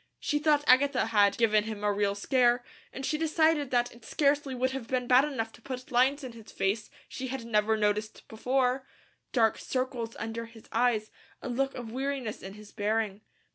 She thought Agatha had "given him a real scare," and she decided that it scarcely would have been bad enough to put lines in his face she never had noticed before, dark circles under his eyes, a look of weariness in his bearing.